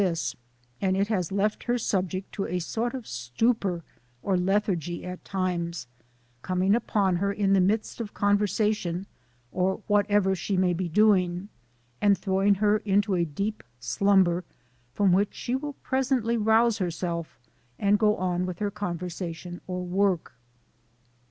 75 this, and it has left her subject to a sort of stupor or lethargy at times ; coming upon her in the 1 midst of conversation, or whatever she may be doing, and throwing her into a deep slumber, from which she will presently rouse herself, and go on with her conversation or work.